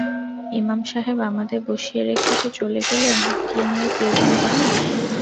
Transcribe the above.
ইমাম সাহেব আমাদের বসিয়ে রেখে যে চলে গেলেন, কী নিয়ে ফিরবেন জানিস?